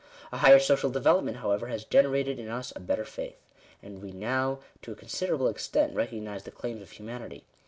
A higher social develop ment however, has generated in us a better faith, and we now to a considerable extent recognise the claims of humanity.